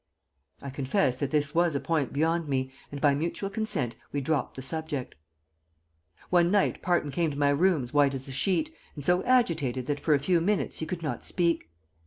I confessed that this was a point beyond me, and, by mutual consent, we dropped the subject. One night Parton came to my rooms white as a sheet, and so agitated that for a few minutes he could not speak.